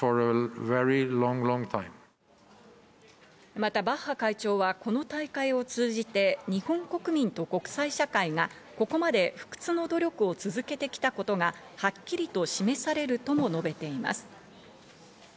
またバッハ会長はこの大会を通じて日本国民と国際社会がここまで不屈の努力を続けてきたことがはっきりと示されるとも述べています。